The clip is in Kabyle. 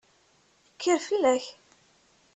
Kker fall-ak!